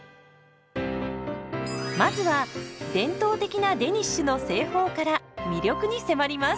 まずは伝統的なデニッシュの製法から魅力に迫ります。